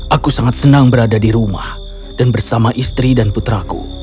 aku sangat senang berada di rumah dan bersama istri dan putraku